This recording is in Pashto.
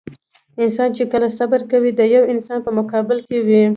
انسان چې کله صبر کوي د يوه انسان په مقابل کې وي.